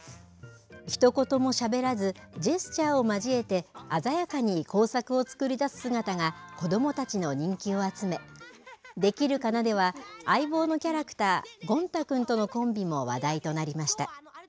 ひと言もしゃべらず、ジェスチャーを交えて、鮮やかに工作を作り出す姿が、子どもたちの人気を集め、できるかなでは、相棒のキャラクター、ゴン太くんとのコンビも話題となりました。